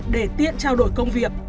để tiện trao đổi công việc